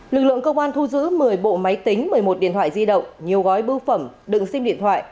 lực lượng công an thu giữ một mươi bộ máy tính một mươi một điện thoại di động nhiều gói bưu phẩm đựng sim điện thoại